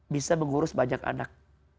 bisa mengurus banyak anak